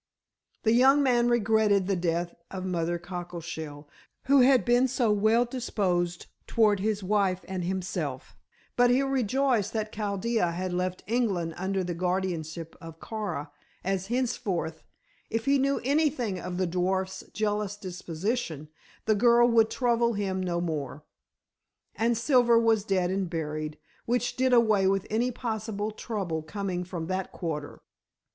The young man regretted the death of Mother Cockleshell, who had been so well disposed toward his wife and himself, but he rejoiced that Chaldea had left England under the guardianship of Kara, as henceforth if he knew anything of the dwarf's jealous disposition the girl would trouble him no more. And Silver was dead and buried, which did away with any possible trouble coming from that quarter.